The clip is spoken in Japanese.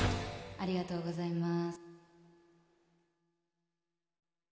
ありがとうございます。